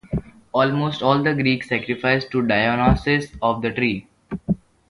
"Almost all of the Greeks sacrificed to "Dionysus of the tree."."